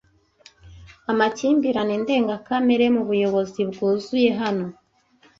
amakimbirane ndengakamere mubuyobozi bwuzuye hano